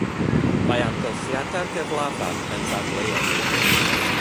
Mae amgylchiadau'r gyflafan yn ddadleuol.